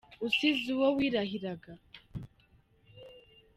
Usize uwo wirahiraga